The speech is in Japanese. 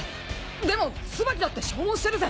でもツバキだって消耗してるぜ。